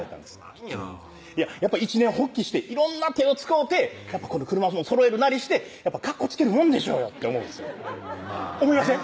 なんや一念発起して色んな手を使うて車もそろえるなりしてカッコつけるもんでしょうよって思うんですよ思いません？